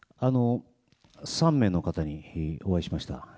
３名の方にお会いしました。